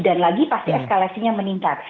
dan lagi pasti eskalasinya meningkat